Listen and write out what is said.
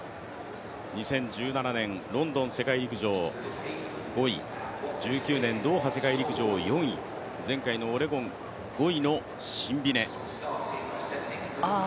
２０１７年、ロンドン世界陸上５位、１９年ドーハ世界陸上４位、前回のオレゴン５位のシンビネ。